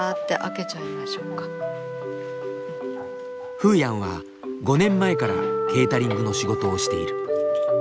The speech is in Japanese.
フーヤンは５年前からケータリングの仕事をしている。